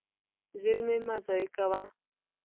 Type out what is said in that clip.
زیرمې مه ضایع کوه.